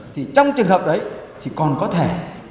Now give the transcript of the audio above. thì trong trường hợp đấy thì còn có thể